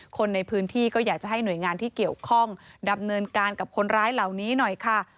คนในพื้นที่ก็อยากจะให้หน่วยงานที่เกี่ยวข้องดำเนินการกับคนร้ายเหล่านี้หน่อยค่ะ